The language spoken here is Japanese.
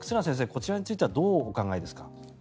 こちらについてはどうお考えですか？